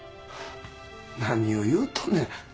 何を言うとんねん。